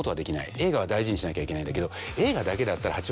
映画は大事にしなきゃいけないんだけど。